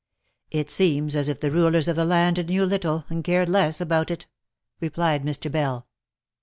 " It seems as if the rulers of the land knew little, and cared less about it," replied Mr. Bell.